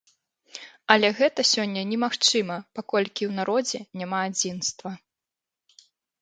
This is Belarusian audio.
Але гэта сёння немагчыма, паколькі ў народзе няма адзінства.